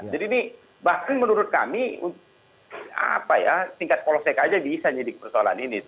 jadi ini bahkan menurut kami apa ya tingkat polsek aja bisa jadi persoalan ini